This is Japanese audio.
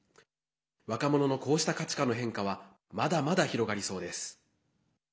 若者のこうした価値観の変化はまだまだ広がりそうです。